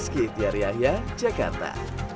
sekian dari ayah jakarta